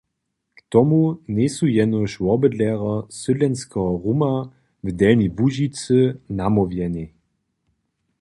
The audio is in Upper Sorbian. K tomu njejsu jenož wobydlerjo sydlenskeho ruma w Delnjej Łužicy namołwjene.